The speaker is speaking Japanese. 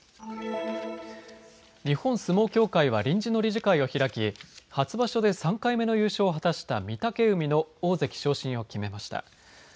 日本相撲協会は臨時の理事会を開き、初場所で３回目の優勝を果たした御嶽海の大関昇進を決めました。